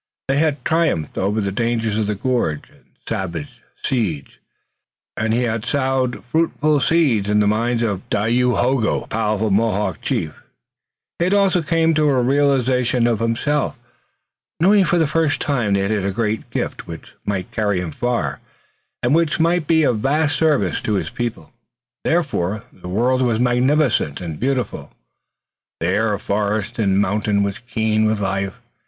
They had triumphed over the dangers of the gorge and savage siege, and he had sowed fruitful seed in the mind of Dayohogo, the powerful Mohawk chief. He had also come to a realization of himself, knowing for the first time that he had a great gift which might carry him far, and which might be of vast service to his people. Therefore, the world was magnificent and beautiful. The air of forest and mountain was keen with life.